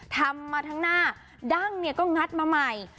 ทำมาทั้งหน้าดั้งเนี่ยก็งัดมาใหม่